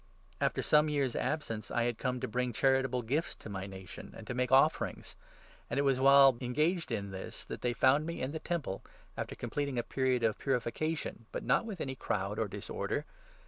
After some years' 17 absence I had come to bring charitable gifts to my nation, and to make offerings ; and it was while engaged in this that they 18 found me in the Temple, after completing a period of purifica tion, but not with any crowd or disorder.